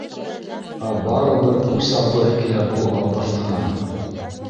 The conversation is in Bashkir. Ә барыбер үс алғыһы килә был албаҫтынан